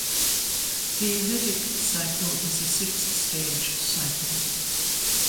The lytic cycle is a six-stage cycle.